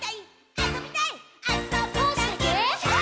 「あそびたいっ！」